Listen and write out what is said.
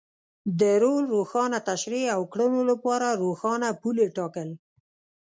د رول روښانه تشرېح او کړنو لپاره روښانه پولې ټاکل.